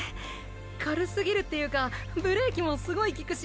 軽すぎるっていうかブレーキもすごい効くし。